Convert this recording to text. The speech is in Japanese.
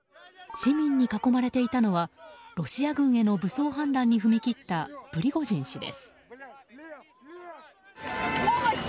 市民に囲まれていたのはロシア軍への武装反乱に踏み切ったプリゴジン氏です。